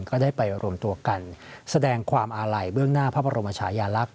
ก็ได้ไปรวมตัวกันแสดงความอาลัยเบื้องหน้าพระบรมชายาลักษณ